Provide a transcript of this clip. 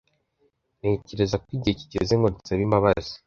Ntekereza ko igihe kigeze ngo nsabe imbabazi.